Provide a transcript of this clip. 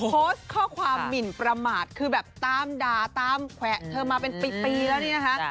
โพสต์ข้อความหมินประมาทคือแบบตามด่าตามแขวะเธอมาเป็นปีแล้วเนี่ยนะคะ